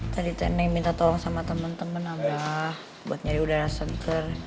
tadi si neng minta tolong sama temen temen abah buat nyari udara senter